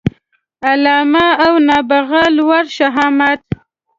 علامه او نابغه لوړ شهامت